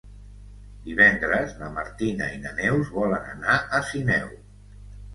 Divendres na Martina i na Neus volen anar a Sineu.